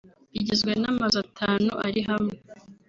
igizwe n’amazu atanu ari hamwe